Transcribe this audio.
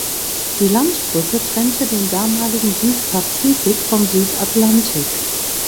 Die Landbrücke trennte den damaligen Südpazifik vom Südatlantik.